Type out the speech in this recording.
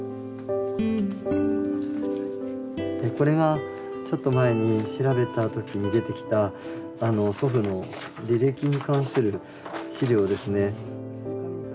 これがちょっと前に調べた時に出てきた祖父の履歴に関する資料ですね。